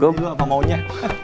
ikutin dulu apa maunya